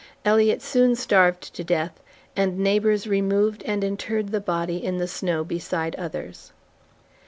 Elliot soon starved to death, and neighbors removed and interred the body in the snow beside others.